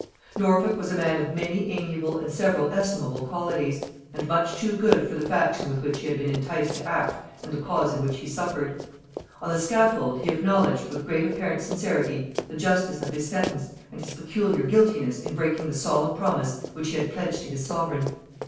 Norfolk was a man of many amiable and several estimable qualities, and much too good for the faction with which he had been enticed to act and the cause in which he suffered. On the scaffold he acknowledged, with great apparent sincerity, the justice of his sentence, and his peculiar guiltiness in breaking the solemn promise which he had pledged to his sovereign.